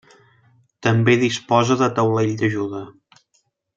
També disposa de taulell d'ajuda.